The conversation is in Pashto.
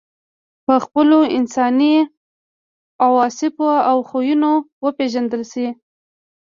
په خپلو انساني اوصافو او خویونو وپېژندل شې.